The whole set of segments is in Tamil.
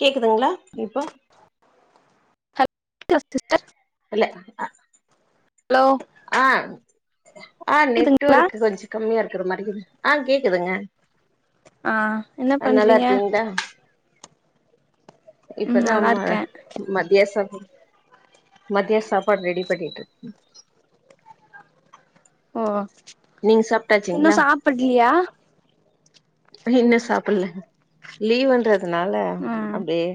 கேக்குதுங்களா இப்போ க சிஸ்டர் இல்ல அ ஹலோ ஆ அ கேக்குதுங்களா நெட்வொர்க் கொஞ்சோ கம்மியா இருக்கிற மாரி இருக்கு ஆ கேக்குதுங்க ஆ என்ன ஆ நல்லா பண்றீங்க இருக்கீங்களா ம் இப்பதா நல்லா ம இருக்கே மத்திய சா மத்திய சாப்பாடு ரெடி பண்ணிட்டு இருக்கே ஓ நீங்க சாப்ட்டாச்சிங்களா பட்லியா இன்னு சாப்பிடல லீவ்ன்றதுனால ம் அப்படியே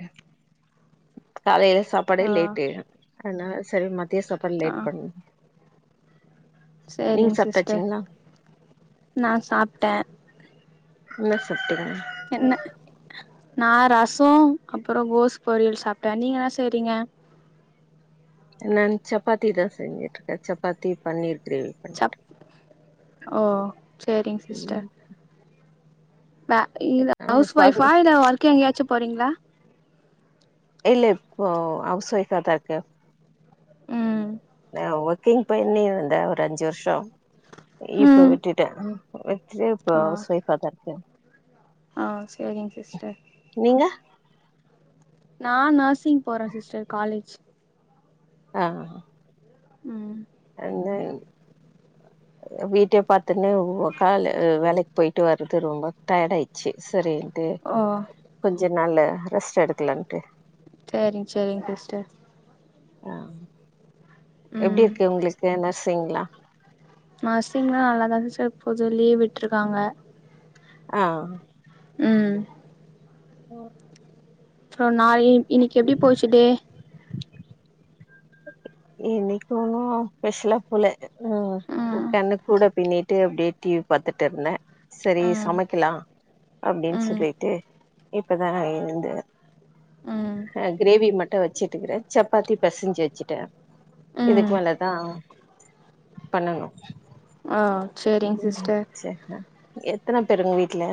காலையில சாப்பாடே ஓ லேட்டு அதனால செரி மத்திய சாப் பாடு ஆ லேட் பண்ண நீங்க சேரிங்க சிஸ்டர் சாப்ட்டாச்சீங்களா நா சாப்ட்டே என்ன சாப்டீங்கா என்ன நா ரசோ அப்புற கோசு பொரியல் சாப்ட்டே நீங்க என்ன செய்றீங்க நா சப்பாத்தி தா செஞ்சிடிருக்கே சப்பாத்தி பன்னீர் கிரேவி பண்ணிட்டு சப் ஓ சரிங்க சிஸ்டர் ம் வ இல்ல ஹவுஸ் ஒய்ஃப்பா இல்ல ஒர்க் எங்கேயாச்சு போறீங்களா இல்ல இப்போ ஹவுஸ் ஒய்ஃப்பா தா இருக்கே ம் நா ஒர்க்கிங் போயினிருந்தே ஒரு அஞ்சு வருஷோ இப்ப ம் விட்டுட்டே விட்டுட்டு இப்ப ஓ ஹவுஸ் ஒய்ஃப்பா தா இருக்கே ஆ செரிங்க சிஸ்டர் நீங்க நான் நெர்சிங் போறேன் சிஸ்டர் காலேஜ் அ ம் வந்து வீட்டே பாத்துன்னு ஒ காலு வேலைக்கு பொயிட்டு வர்றது ரொம்ப டயர்ட் ஆயிட்ச்சு சரிண்டு ஒ கொஞ்ச நாள் ரெஸ்ட் எடுக்கலன்ட்டு சரிங் சரிங் சிஸ்டர் ஆ எப்டி ம் இருக்கு உங்களுக்கு நர்சிங்லா நர்சிங்ல்லா நல்லா தான் சிஸ்டர் போகுது லீவ் விட்டுருக்காங்க ஆ ம் ம் சோ நாளே இன்னைக்கு எப்டி போச்சு டே இன்னைக்கு ஒன்னு ஸ்பெஷலா போல அ ம் ஓகே அண்ண கூட பின்னிட்டு அப்டியே டிவி பாத்துட்டு இருந்தேன் செரி ம் சமக்கலா அப்டின்னு ம் சொல்லிட்டு இப்ப தான் நான் எழுந்தேன் ம் ஆ கிரேவி மட்டும் வெச்சுட்டுக்கறேன் சப்பாத்தி பிசஞ்சு வெச்சுட்டேன் இதுக்கு ம் மேல தான் பண்ணணும் அ சரிங் சிஸ்டர் செர்தா எத்தன பேருங் வீட்டுல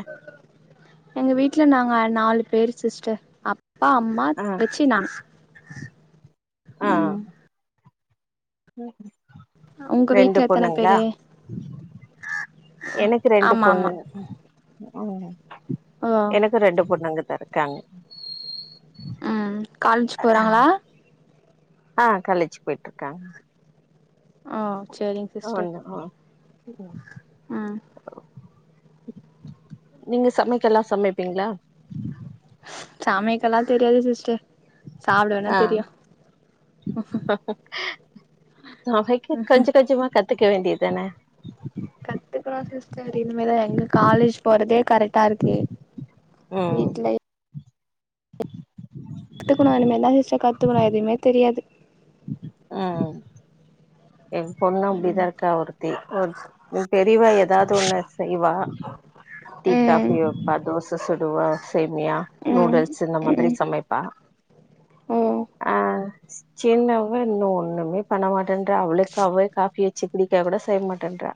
எங்க வீட்ல நாங்க நாலு பேர் சிஸ்டர் அப்பா அம் மாத் ஆ வெச்சு நான் ஆ ம் உங்க ரெண்டு வீட்ல எத்தன பொண்ணுங்ளா பேரு எனக்கு ரெண்டு ஆமா ஆமா பொண்ணுங்க ம் ஓ எனக் ரெண்டு பொண்ணங்க த இருக்காங்க ம் கால்ஜ் போறாங்களா அ கால்லேஜ் பொயிட்டுருக்காங் ஆஹ செரிங் ஆண்ட ஆ ம் நீங்க சமக்கல்லாம் சமேப்பீங்களா சமேயக்கெல்லா தெரியாது சிஸ்டர் சாப்டவேன்னா தெரியும் சமெக்க கொஞ்ச கொஞ்சமா கத்துக்க வேண்டியதுதானே கத்துக்குறோன் சிஸ்டர் இனிமேத எங்க காலேஜ் போறதே கரெக்ட்டா இருக்கு ம் வீட்ல கத்துக்குணு இனிமேதா சிஸ்டர் கத்துக்குணு எதுமே தெரியாது ஆ என் பொண்ணும் அப்டி ம் தான் இருக்கா ஒருத்தி ஒரு பெரியவா ஏதாவது ஒண்ணு செய்வா டீ ம் காபி வெப்பா தோச சுடுவா சேமியா ம் நூடுல்ஸ் இந்த மாதிரி ம் சமைப்பா ஓ ஆ சின்னாவே இன்னும் ஒண்ணுமே பண்ண மாட்டேன் அவளுக்கு அவே காபி வெச்சு குடிக்க கூட செய்ய மாட்டேன்றா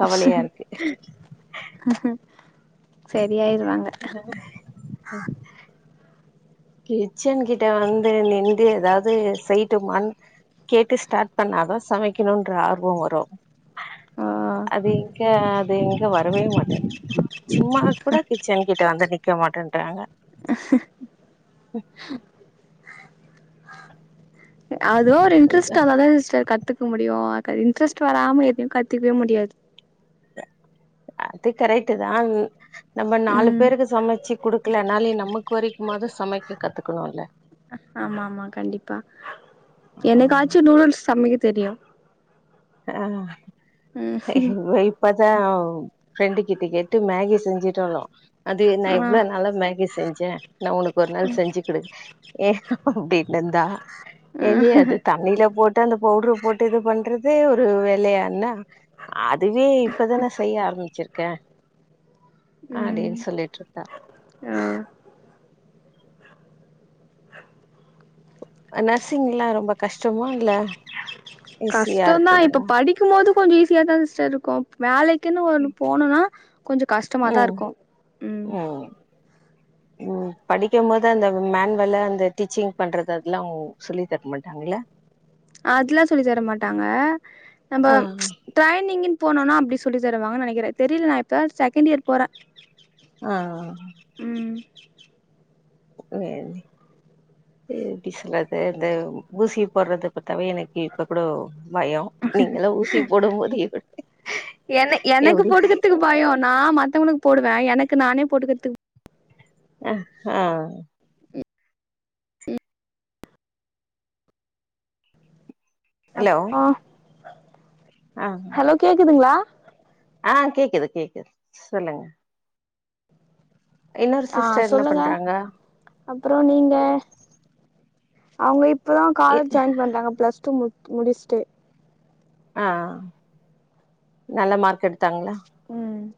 கவலையா இருக்கு சரியாயிருவாங்க அஹஹம் கிச்சன் கிட்ட வந்து நின்டு ஏதாவ்து செய்ட்டுமாண் கேட்டு ஸ்டார்ட் பண்ணாதா சமக்கணுன்ற ஆர்வொ வரு ஓ அது இங்கே அது இங்கே வரவே மாட்டேங்குது சும்மா கூட கிச்சன் கிட்ட வந்து நிக்க மாட்டேன்ட்டாங்க அதுவு ஒரு இன்ட்ரெஸ்ட்டாதனே [unintelligible] த்துக்க முடியு அத இன்ட்ரெஸ்ட் வராம எதையு கத்துக்கவே முடியாது அது கரெக்ட் தா நம்ம நாலு ம் பேருக்கு சமைச்சு குடுக்கலனாலே நமக் கொரிக்கு போது சமைக்க கத்துக்கணுல்ல ஆமா ஆமா கண்டிப்பா ஆமா என்னைக்காச்சு நூடுல்ஸ் சமைக்க தெரியு ஆ [unintelligible] ம் இப்பத்தா ஃப்ரெண்டு கிட்ட கேட்டு மேகி செஞ்சுட்டாலா அது நா ஆ இவ்வளவு நாளா மேகி செஞ்சே நா உனக்கு ஒரு நாள் செஞ்சு கொடுக்கு ஏ அப்டின்னுந்தா எண்ணைய அது தண்ணில போட் த அந்த பவுடர் போட்டு இது பண்றது இதே ஒரு வேலையான்னா அதுவே இப்பதானே செய்ய ஆரம்பிச்சிருக்கே ம் அப்டின்னு சொல்லிட்டிரு ஓ அ நர்சிங்ல்லா ரொம்ப கஷ்டமா இல்ல ஈஸியா கஷ்டதா இப்ப இருக்குங்களா படி க்கு போது கொஞ்சோ ஈஸியாதான சிஸ்டர் இருக்கு வேலைக்கின்னு ஒன்னு ம் போனா கொஞ்சோ கஷ்டமாத ம். இருக்கு ம் ம் படிக்கு போது அந்த மேன்வேல அந்த டீச்சிங் பண்றது அதெல்லா உ சொல்லி தர மாட்டாங்கள்ளே அதுல்லா சொல்லி தரமாட்டாங்க நம்ப ஆ ட்ரைனிங்கின்னு போனோனா அப்டி சொல்லிதருவாங்கனு நினைக்கிறே தெரியல நா இப்பதா செகண்ட் இயர் போறே ஆ ஆ ம் [inaudible] எப்டி சொல்றது இந்த ஊசி போடுறதபாத்தாவே எனக் இப்ப கூட பய நீங்கல்லா ஊசி போடும்போது என்ன எனக்கு போட்டுக்கறதுக்கு பயோ நா மத்தவங்களுக்கு போடுவே எனக்கு நானே போட்டுக்கறதுக்கு அ ஆ ஹலோ அப்பா ஆ ஹலோ கேக்குதுங்களா ஆ கேக்குது கேக்குது சொல்லுங்க. இன்னொரு ஆ சிஸ்டர் என்ன சொல்லுங்க பண்றாங்க அப்பற நீங்க அங்க இப் இப்போதா இ காலேஜ் ஜாயின் பண்றாங்க பிளஸ் டூ முடு முடிச்சுட்டு ஆ நல்ல மார்க் எடுத்தாங்களா ம்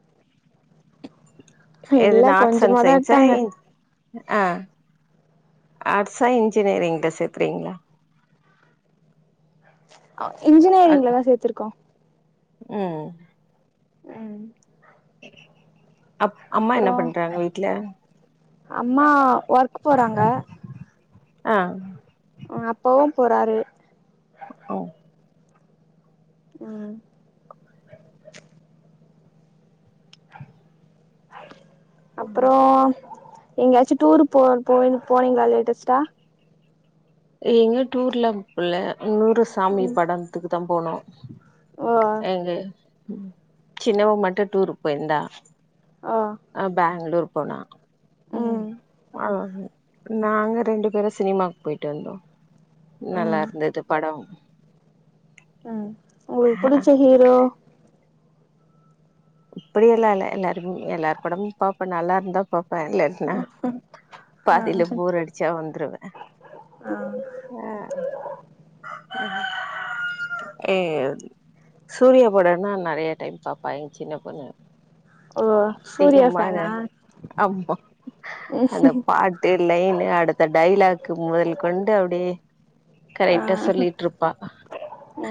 இது இல்ல ஆர்ட்ஸ் அண்ட் கொஞ்சமாதா சைன்ஸா எடுத்தாங்க இது ஆ அர்ஷா இன்ஜினியரிங்ல சேத்திருங்களா? இன்ஜினியரிங்லத சேர்த்திருக்கோ ம் ம் அப் அம்மா என்ன அப்புறோ பண்றாங்க வீட்ல அம்மா ஒர்க் போறாங்க ஆ அப்பாவு போறாரு ஓ ம் அப்றோ எங்கேயாச்சு டூர் போ போ போனீங்களா லேட்டஸ்டா எங்க டூர் லா போல [unintelligible] சாமி ம் படம்த்துக்கு தா போனோ ஓ எங்கே சின்னவ மட்டு டூரு போயிருந்தா ஓ அ பேங்களூர் போனா ம் அ நாங்க ரெண்டு பேரு சினிமாக்கு போயிட் ரெண்டு ம் நல்லாருந்தது படோ ம் உங்களுக்கு புடுச்ச ஹீரோ இப்டி எல்லா இல்ல எல்லாருமே எல்லாரு படமும் பாப்ப நல்லாருந்தா பாப்ப இல்லன் நா பாதில போரடிச்சா வந்துருவ ஆ ஏ சூரியா படோனா நெறையா டைம் பாப்பா எங்க சின்ன பொண்ணு ஓ சூர்யா ஃபேனா [unintelligible] அம்மா அந்த பாட் த்த லைனு அடுத்த டைலாக்கு முதல் கொண்டு அப்டியே கரெக்டா சொல்லிட்ருப் பாப்பா கு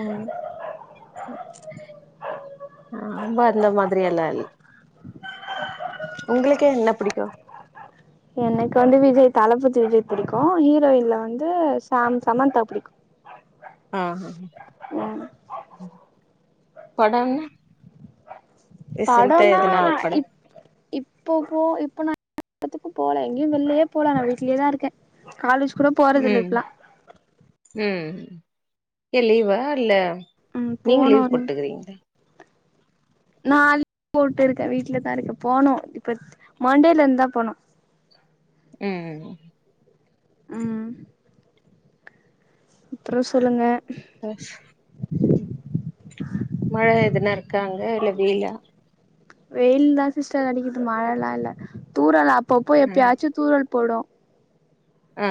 நாம அந்த மாதிரி எல்லா இல் உங்களுக்கே என்ன பிடிக்கு எனக்கு வந்து விஜய் தளபதி விஜய் புடிக்கு ஹீரோயின்ல வந்து சாம் சமந்தா புடிக்கு ஆ ம் படம்னா ரீசென்ட்டா பாடோனா எதுனா ஒரு படம் இப் இப்ப போ இப்ப நா [unintelligible] போல எங்கேயு வெல்லயே போல நா வீட்லயே தா இருக்க காலேஜ் கூட போறதில்ல ம் இப்பெல்லா ம் ஏ லீவா இல்ல ம் நீங்க போனு லீவ் போட்டுக்குறீங்களா நா [inaudible] போட்டுருக்க வீட்லதா இருக்க போனு இப்பத் மண்டேல இருந்தா போனு ம் உம் அப்றோ சொல்லுங்க மழ எதுனா இருக்கா அங்க இல்ல வெயிலா வெயில் தா சிஸ்டர் அடிக்கிது மழலா இல்ல தூரல் அப்பப்போ ம் எப்பயாச்சு தூரல் போடு அ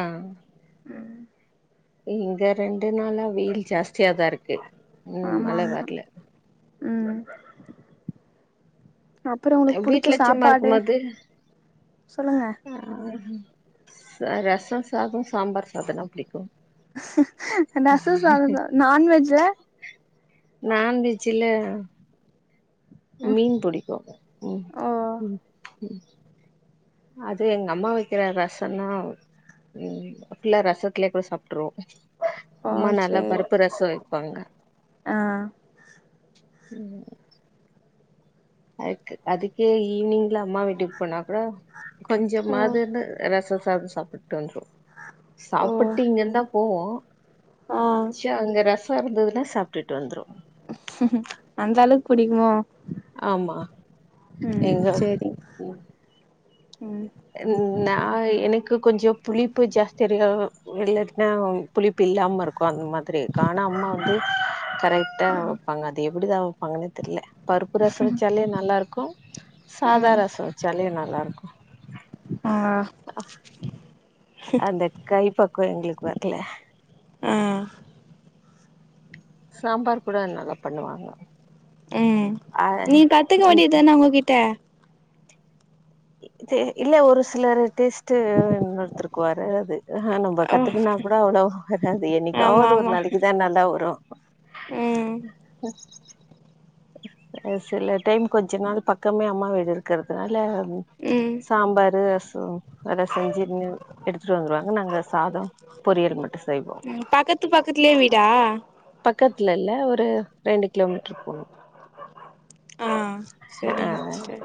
இங்க ரெண்டு நாளா வெயில் ஜாஸ்தியாதா இருக் ஆமா ஆமா ம் அப்றோ உனக்கு புடுச்ச வீட்ல சும்மா சாப்பாடு இருக்கும்போது சொல்லுங்க ஆ ரசோ சாதோ சாம்பார் சாதோனா பிடிக்கு ரசோ சாதோ நான்வெஜ்ஜா நான்வெஜ்ஜுல மீன் புடிக்கு ம் ஓ ம் ம் அது எங்க அம்மா வக்கிற ரசன்னா ம் ஃபுல்லா ரசத்துலயே கூட சாப்டுருவோ ஓ அம்மா நல்லா சேரி பருப்பு ரசோ வெப்பாங்க ஆ ம் அதுக்கு அதுக்கே ஈவ்னிங்ல அம்மா வீட்டுக்கு போனா கூட ம் கொஞ்சமாதுனு ரச சாதோ சாப்புடுவே [unintelligible] ஓ சாப்புட்டிங்கதா போவோ ஆ சேர் அங்க ர ருசார்ந்ததுனா சாப்டுட்டு வந்துருவோ அந்த அளவுக்கு பிடிக்குமோ ஆமா ம் எங்க சரி ம் என் நா எனக்கு கொஞ்சோ புளிப்பு ஜாஸ்தியா இருக்கு அ இல்லாட்டினா புளிப்பு இல்லாம இருக்கு அந்த மாதிரி இருக்கு ஆனா அம்மா வந்து கரெக்டா பாங்க அது எப்டிதா வைப்பாங்கன்னே தெரில பருப்பு ரசோ வச்சாலே நல்லாருக்கு சாதா ம் ரசோ வச்சாலு நல்லாருக்கு ஆ அந்த கை பக்குவோ எங்களுக்கு வரல ஆ சாம்பார் கூட நல்ல தா பண்ணுவாங்க ம் ஆ நீ கத்துக்க வேண்டியதான அவங்ககிட்ட இது இல்ல ஒரு சிலர் டேஸ்ட்டு இன்னொருத்தருக்கு வராது அஹ நம்ப ஓ கத் அதுன்னா கூட அவ்ளோ வராது ஆமா என்னைக்காவது ஒரு ஆமா நாளைக்குதா நல்லா வரு ம் சில டைம் கொஞ்ச நாள் பக்கமே அம்மா வீடு இருக்கிறதுனால ம் சாம்பாரு ரசோ அதுலா செஞ்சு எடுத்துட்டு வந்துருவாங்க நாங்க சாதம் பொரியல் மட்டு செய்வோ ம் பக்கத்து பக்கத்துலயே வீடா பக்கத்துல இல்ல ஒரு ரெண்டு கிலோமீட்டர் போணு ஆ ஹ ஹ சரிங்க சிஸ்டர்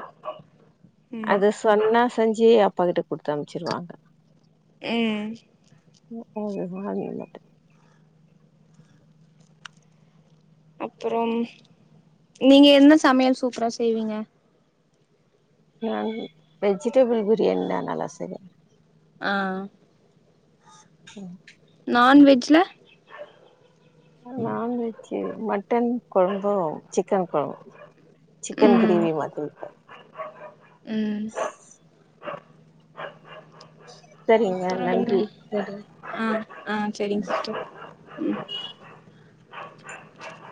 ம் அது சொன்னா செஞ்சு அப்பா கிட்ட குடுத்தம்ச்சிருவாங்க ம் ஓ வாங்கி வாங்கிருவோ அப்றோ நீங்க என்ன சமையல் சூப்பரா செய்வீங்க நானு வெஜிடேபிள் பிரியாணிதா நல்லா செய்வ ஆ ஒ நான்வெஜ்ஜில நான்வெஜ்ஜு மட்டன் கொழம்போ சிக்கன் கொழம் சிக்கன் ம் கிரேவி மாத்தி வெப்ப ம் செரிங்க அப்புறம் நன்றி என்ன செரி ஆ ஆ செரிங் சிஸ்டர் ம்